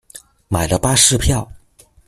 买了巴士票